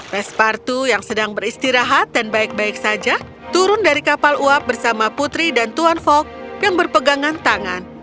pespartu yang sedang beristirahat dan baik baik saja turun dari kapal uap bersama putri dan tuan fok yang berpegangan tangan